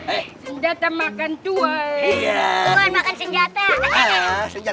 eh senjata makan dua